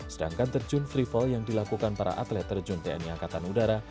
sedangkan terjun free fall yang dilakukan para atlet terjun tni angkatan udara